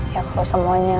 ya kalau semuanya